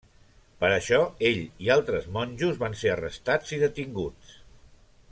Per això ell i altres monjos van ser arrestats i detinguts.